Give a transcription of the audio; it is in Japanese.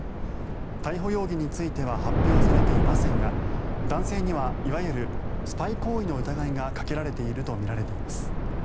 逮捕容疑については発表されていませんが男性にはいわゆるスパイ行為の疑いがかけられているとみられています。